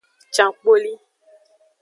Cankpoli.